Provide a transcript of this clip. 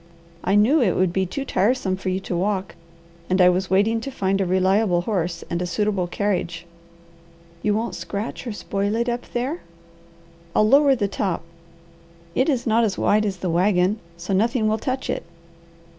I knew it would be too tiresome for you to walk, and I was waiting to find a reliable horse and a suitable carriage." "You won't scratch or spoil it up there?" "I'll lower the top. It is not as wide as the wagon, so nothing will touch it."